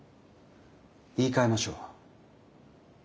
言いかえましょう。